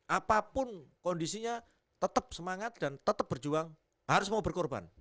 apapun kondisinya tetap semangat dan tetap berjuang harus mau berkorban